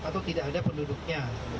atau tidak ada penduduknya